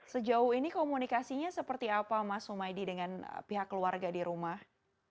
sejauh ini komunikasinya seperti apa mas humaydi dengan pihak keluarga di rumah